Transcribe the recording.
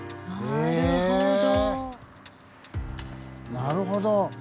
えなるほど。